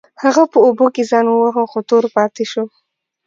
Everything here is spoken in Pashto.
هغه په اوبو کې ځان وواهه خو تور پاتې شو.